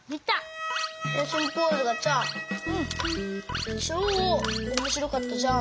へんしんポーズがさちょうおもしろかったじゃん？